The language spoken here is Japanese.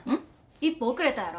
１歩遅れたやろ。